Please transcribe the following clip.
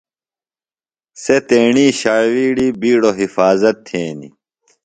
سےۡ تیݨی ݜاوِیڑی بِیڈوۡ حفاظت تھینیۡ۔